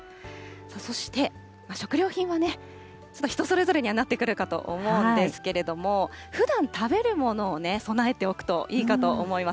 そして食料品はね、ちょっと人それぞれにはなってくるかとは思うんですけれども、ふだん食べるものを備えておくといいかと思います。